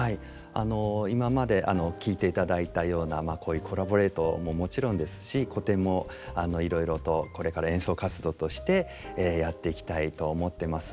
今まで聴いていただいたようなこういうコラボレートももちろんですし古典もいろいろとこれから演奏活動としてやっていきたいと思ってます。